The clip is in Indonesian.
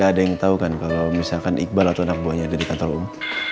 ada yang tahu kan kalau misalkan iqbal atau anak buahnya ada di kantor umum